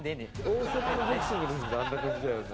大阪のボクシングあんな感じだよな。